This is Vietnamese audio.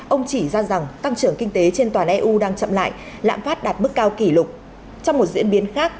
ông chỉ ra rằng tăng trưởng kinh tế trên toàn eu đang chậm lại lãng phát đạt mức cao kỷ lục